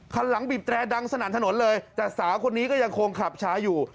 คันหลังบีบแตรดังสนั่นถนนเลยแต่สาวคนนี้ก็ยังคงขับช้าอยู่